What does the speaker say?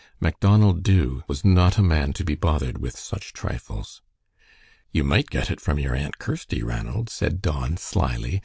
Macdonald Dubh was not a man to be bothered with such trifles. "You might get it from your Aunt Kirsty, Ranald," said Don, slyly.